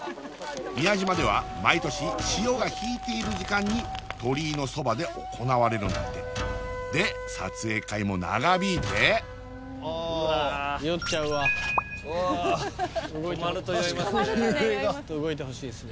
宮島では毎年潮がひいている時間に鳥居のそばで行われるんだってで撮影会も長引いてああ酔っちゃうわ止まると酔いますね